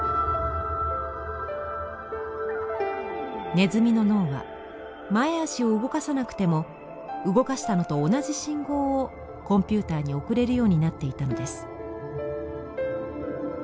ネズミの脳は前足を動かさなくても動かしたのと同じ信号をコンピューターに送れるようになっていたのです。